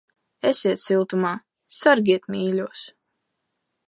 Esiet siltumā. Sargiet mīļos!